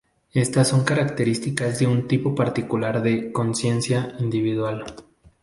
Estas son características de un tipo particular de "conciencia" individual.